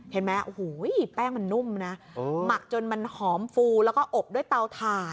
เห็นไหมโอ้โหแป้งมันนุ่มนะหมักจนมันหอมฟูแล้วก็อบด้วยเตาถ่าน